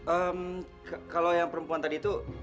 ehm kalau yang perempuan tadi tuh